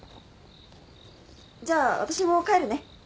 じゃあ私も帰るね。